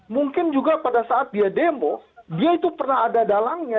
mungkin juga pada saat dia demo dia itu pernah ada dalangnya